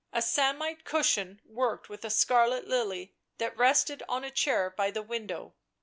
A samite cushion worked with a scarlet lily that rested on a chair by the window.